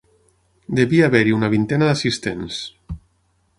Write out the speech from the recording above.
Devia haver-hi una vintena d'assistents.